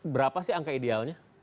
berapa sih angka idealnya